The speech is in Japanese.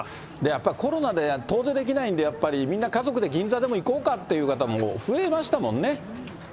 やっぱりコロナで遠出できないんで、やっぱりみんな、家族で銀座でも行こうかっていう方も増えましたもんね。